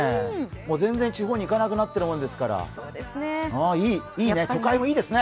全然地方に行かなくなっているもんですから、都会もいいね。